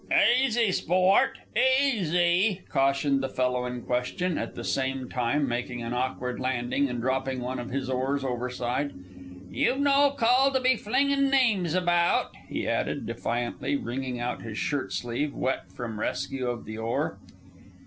"Easy, sport! Easy!" cautioned the fellow in question, at the same time making an awkward landing and dropping one of his oars over side. "You've no call to be flingin' names about," he added, defiantly, wringing out his shirt sleeve, wet from rescue of the oar.